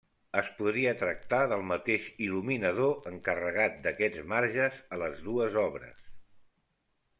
Es podria tractar del mateix il·luminador encarregat d'aquests marges a les dues obres.